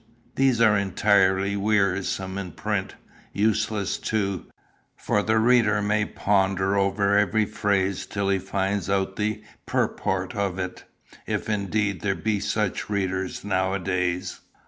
These are entirely wearisome in print useless too, for the reader may ponder over every phrase till he finds out the purport of it if indeed there be such readers nowadays.